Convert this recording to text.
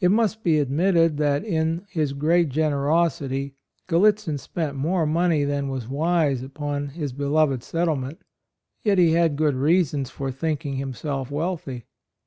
It must be admitted that in his great generosity Gallitzin spent more money than was wise upon his beloved settle ment; yet he had good reasons for thinking himself wealthy.